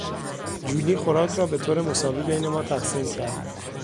جولی خوراک را بطور مساوی بین ما تقسیم کرد.